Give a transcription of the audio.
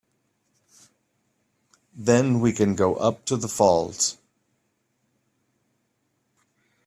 Then we can go up to the falls.